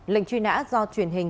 lệnh truy nã do truyền hình